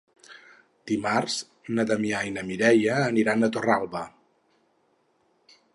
Dimarts na Damià i na Mireia aniran a Torralba.